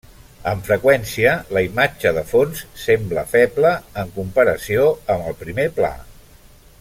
Amb freqüència, la imatge de fons sembla feble en comparació amb el primer pla.